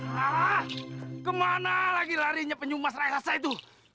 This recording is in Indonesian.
hai hai hai ah kemana lagi larinya penyumbas raksasa itu